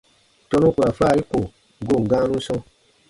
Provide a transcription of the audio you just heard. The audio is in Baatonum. Tɔnu ku ra faari ko goon gãanun sɔ̃.